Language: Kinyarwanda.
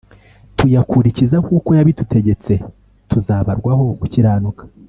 tukayakurikiza nk uko yabidutegetse tuzabarwaho gukiranuka